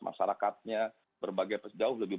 masyarakatnya berbagai jauh lebih